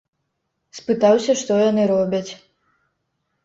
Спытаўся, што яны робяць.